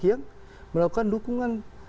yang melakukan dukungan